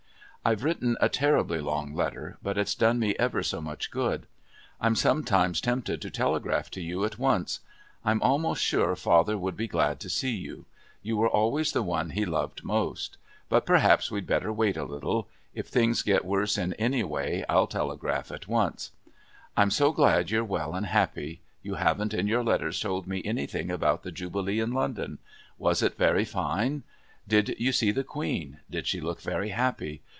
I've written a terribly long letter, but it's done me ever so much good. I'm sometimes so tempted to telegraph to you at once. I'm almost sure father would be glad to see you. You were always the one he loved most. But perhaps we'd better wait a little: if things get worse in any way I'll telegraph at once. I'm so glad you're well, and happy. You haven't in your letters told me anything about the Jubilee in London. Was it very fine? Did you see the Queen? Did she look very happy?